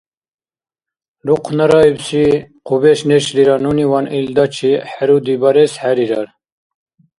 Рухънараибси хъубеш нешлира нуниван илдачи хӀеруди барес хӀерирар.